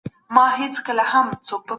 شکایت کول د کمزورو خلکو کار دی.